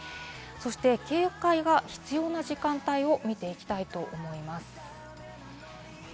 警戒が必要な時間帯を見ていきたいと思います。